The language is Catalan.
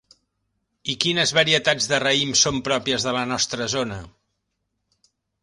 I quines varietats de raïm són pròpies de la nostra zona?